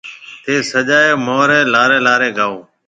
ٿَي سجا مهاريَ لاري لاري گائون